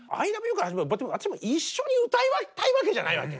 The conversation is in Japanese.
私も一緒に歌いたいわけじゃないわけ。